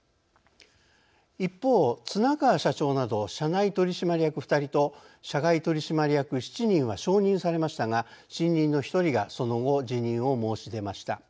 一方綱川社長など社内取締役２人と社外取締役７人は承認されましたが新任の１人がその後辞任を申し出ました。